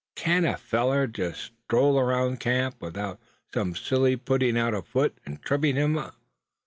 "Can't a feller just stroll around camp without some silly putting out a foot, and tripping him up?